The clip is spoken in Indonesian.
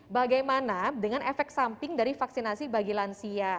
bagaimana dengan efek samping dari vaksinasi bagi lansia